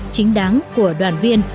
chính đáng của đoàn viên